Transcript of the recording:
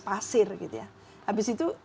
pasir gitu ya habis itu